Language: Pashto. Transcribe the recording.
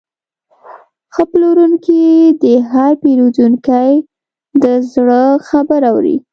ښه پلورونکی د هر پیرودونکي د زړه خبره اوري.